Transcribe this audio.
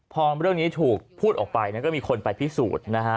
พอเรื่องนี้ถูกพูดออกไปก็มีคนไปพิสูจน์นะฮะ